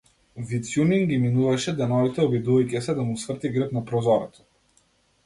Витјунин ги минуваше деновите обидувајќи се да му сврти грб на прозорецот.